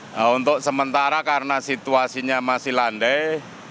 nah untuk sementara karena situasinya masih landai